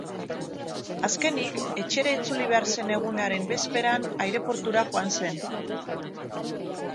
Azkenik, etxera itzuli behar zen egunaren bezperan, aireportura joan zen.